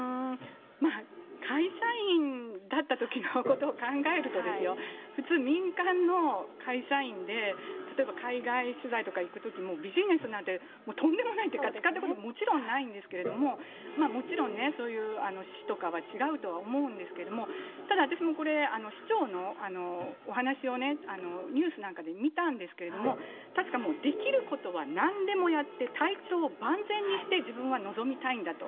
会社員だったときのことを考えるとですよ、普通、民間の会社員で、例えば、海外取材とか行くときにビジネスなんてとんでもないっていうか、使ったことももちろんないんですけれども、もちろんね、そういう市とかは違うとは思うんですけど、ただ私もこれ、市長のお話をね、ニュースなんかで見たんですけれども、確か、もうできることはなんでもやって体調を万全にして、自分は臨みたいんだと。